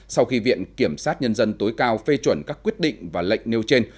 sau khi viện kiểm sát nhân dân tối cao phê chuẩn các quyết định và lệnh nêu trên